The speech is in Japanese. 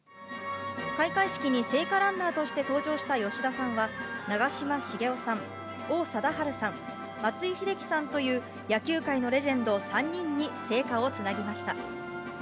開会式に聖火ランナーとして登場した吉田さんは、長嶋茂雄さん、王貞治さん、松井秀喜さんという野球界のレジェンド３人に聖火をつなぎました。